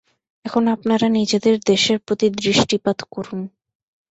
এখন আপনারা নিজেদের দেশের প্রতি দৃষ্টিপাত করুন।